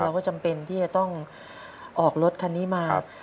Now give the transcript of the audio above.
เราก็จำเป็นที่จะต้องออกรถคันนี้มา